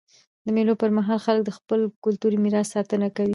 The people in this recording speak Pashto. د مېلو پر مهال خلک د خپل کلتوري میراث ساتنه کوي.